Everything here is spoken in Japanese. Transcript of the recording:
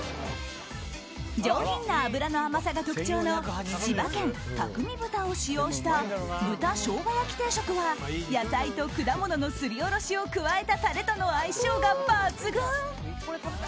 上品な脂の甘さが特徴の千葉県匠味豚を使用した豚生姜焼き定食は野菜と果物のすりおろしを加えたタレとの相性が抜群。